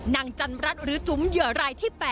จันรัฐหรือจุ๋มเหยื่อรายที่๘